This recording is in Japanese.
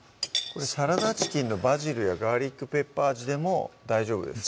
サラダチキンのバジルやガーリックペッパー味でも大丈夫ですか？